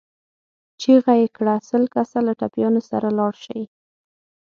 چيغه يې کړه! سل کسه له ټپيانو سره لاړ شئ.